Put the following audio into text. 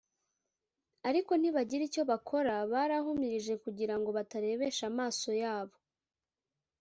ariko ntibagira icyo bakora Barahumirije kugira ngo batarebesha amaso yabo